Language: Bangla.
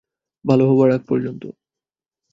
ভালো হবার আগ পর্যন্ত।